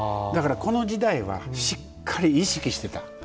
だからこの時代はしっかり意識してた。